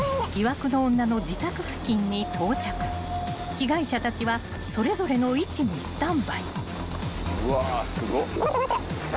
［被害者たちはそれぞれの位置にスタンバイ］